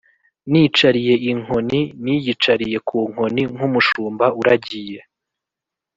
nicariye inkoni: niyicariye ku nkoni nk’umushumba uragiye